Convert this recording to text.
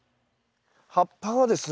葉っぱはですね